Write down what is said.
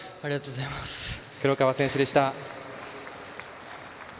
黒川選手でした。